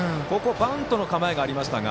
バントの構えがありましたが。